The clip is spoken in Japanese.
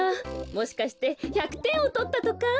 もしかして１００てんをとったとか？